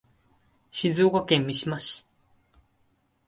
静岡県三島市